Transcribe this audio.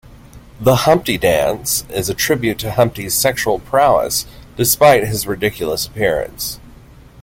"The Humpty Dance" is a tribute to Humpty's sexual prowess despite his ridiculous appearance.